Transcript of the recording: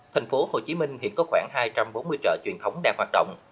thành phố hồ chí minh hiện có khoảng hai trăm bốn mươi chợ truyền thống đang hoạt động